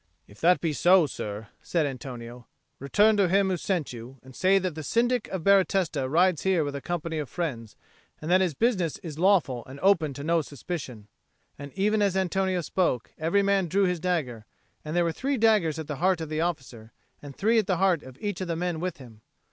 "If that be so, sir," said Antonio, "return to him who sent you, and say that the Syndic of Baratesta rides here with a company of friends and that his business is lawful and open to no suspicion." And even as Antonio spoke, every man drew his dagger, and there were three daggers at the heart of the officer and three at the heart of each of the men with him.